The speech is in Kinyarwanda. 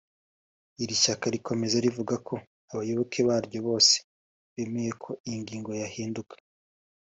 Iri shyaka rikomeza rivuga ko abayoboke baryo bose bemeye ko iyi ngingo yahinduka